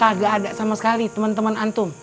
kagak ada sama sekali temen temen antum